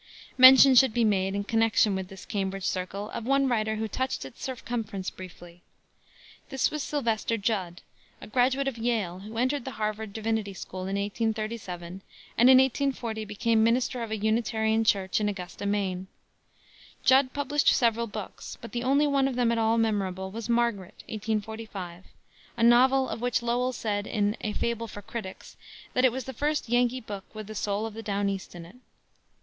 Mention should be made, in connection with this Cambridge circle, of one writer who touched its circumference briefly. This was Sylvester Judd, a graduate of Yale, who entered the Harvard Divinity School in 1837 and in 1840 became minister of a Unitarian church in Augusta, Maine. Judd published several books, but the only one of them at all rememberable was Margaret, 1845, a novel of which Lowell said in A Fable for Critics that it was "the first Yankee book with the soul of Down East in it."